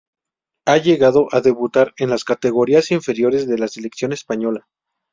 Ha llegado a debutar en las categorías inferiores de la selección española.